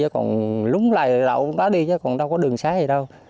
còn lúng lại là lậu đó đi chứ còn đâu có đường xa gì đâu